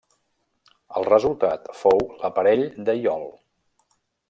El resultat fou l'aparell de iol.